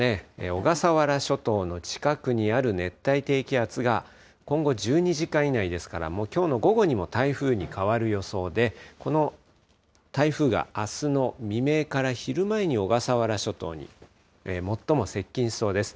小笠原諸島の近くにある熱帯低気圧が、今後１２時間以内ですから、きょうの午後にも台風に変わる予想で、この台風があすの未明から昼前に小笠原諸島に最も接近しそうです。